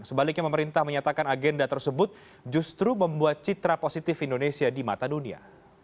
sebaliknya pemerintah menyatakan agenda tersebut justru membuat citra positif indonesia di mata dunia